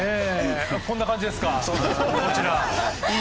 こんな感じですか。